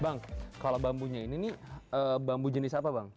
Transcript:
bang kalau bambunya ini nih bambu jenis apa bang